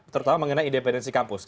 terutama mengenai independensi kampus